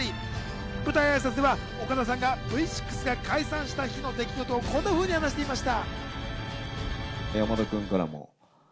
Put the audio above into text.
舞台挨拶では岡田さんがＶ６が解散した日の出来事をこんなふうに話していました。